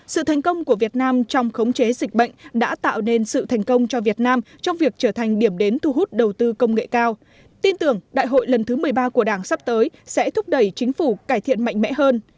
sự thành công của việt nam trong khống chế dịch bệnh đã tạo nên sự thành công cho việt nam trong việc trở thành điểm đến thu hút đầu tư công nghệ cao tin tưởng đại hội lần thứ một mươi ba của đảng sắp tới sẽ thúc đẩy chính phủ cải thiện mạnh mẽ hơn